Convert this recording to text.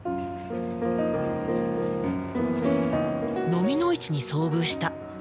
のみの市に遭遇した。